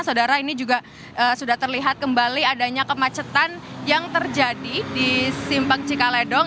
karena ini juga sudah terlihat kembali adanya kemacetan yang terjadi di simpang cikaledong